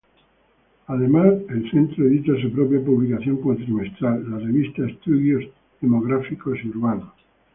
Además, el Centro edita su propia publicación cuatrimestral: la revista "Estudios Demográficos y Urbanos".